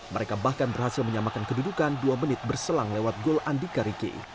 mereka bahkan berhasil menyamakan kedudukan dua menit berselang lewat gol andika riki